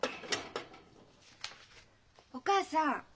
お母さん。